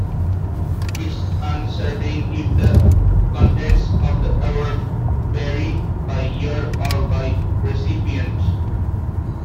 It's uncertain if the contents of the award vary by year or by recipient.